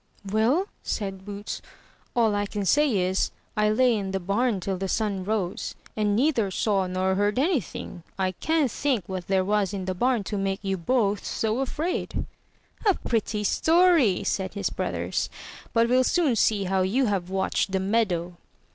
"Well," said Boots, "all I can say is, I lay in the bam till the sun rose, and neither saw nor heard anything; I can't think what there was in the barn to make you both so afraid." "A pretty story!" said his brothers. "But we'll soon see how you have watched the meadow."